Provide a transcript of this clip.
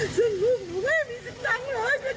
สิ่งลูกหนูไม่มาให้ดูพี่สิบนั้นหรือ